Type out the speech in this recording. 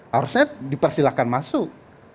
harusnya dipersilakan masuk